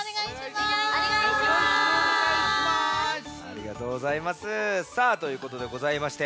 ありがとうございます。